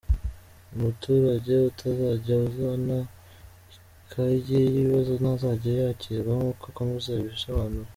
Umuturage utazajya uzana ikaye y’ibibazo ntazajya yakirwa nk’uko akomeza abisobanura.